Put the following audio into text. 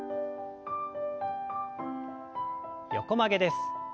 横曲げです。